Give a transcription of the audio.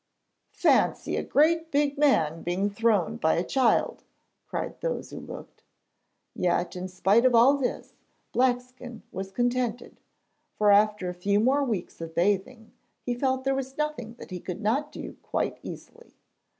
'Fancy a great, big man being thrown by a child!' cried those who looked. Yet, in spite of all this, Blackskin was contented, for after a few more weeks of bathing, he felt there was nothing that he could not do quite easily.